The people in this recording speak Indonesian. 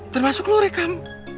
termasuk lu rekam